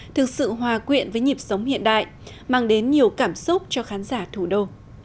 thực sự hòa quyện với nhịp sống hiện đại mang đến nhiều cảm xúc cho khán giả thủ đô